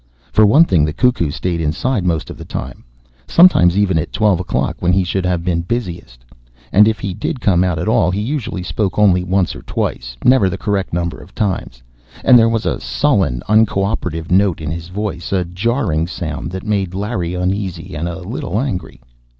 For one thing, the cuckoo stayed inside most of the time, sometimes even at twelve o'clock when he should have been busiest. And if he did come out at all he usually spoke only once or twice, never the correct number of times. And there was a sullen, uncooperative note in his voice, a jarring sound that made Larry uneasy and a little angry.